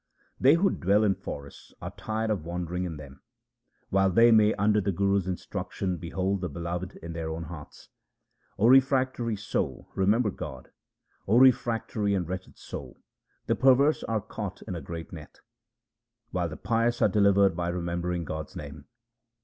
They who dwell in forests are tired of wandering in them ; while they may under the Guru's instruction behold the Beloved in their own hearts. O refractory soul, remember God ; O refractory and wretched soul, the perverse are caught in a great net, While the pious are delivered byremembering God's name.